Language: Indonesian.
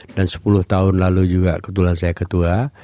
dan sepuluh tahun lalu juga ketulan saya ketua